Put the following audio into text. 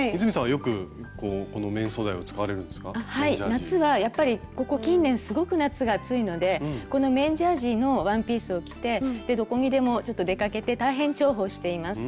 夏はやっぱりここ近年すごく夏が暑いのでこの綿ジャージーのワンピースを着てどこにでもちょっと出かけて大変重宝しています。